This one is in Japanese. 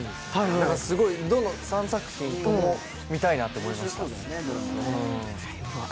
だから３作品とも見たいなと思いました。